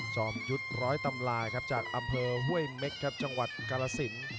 อมยุทธ์ร้อยตำราครับจากอำเภอห้วยเม็กครับจังหวัดกาลสิน